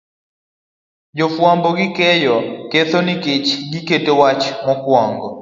Jofuambo gi keyo ketho nikech giketo wach makwongo